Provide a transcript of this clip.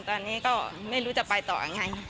ตอนนี้ก็ไม่รู้จะไปต่อยังไง